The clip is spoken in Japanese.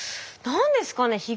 何ですかね？